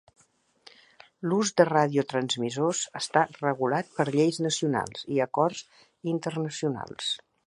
L'ús de radiotransmissors està regulat per lleis nacionals i acords internacionals.